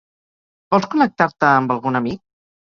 Vols connectar-te amb algun amic?